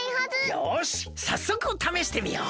よしさっそくためしてみよう！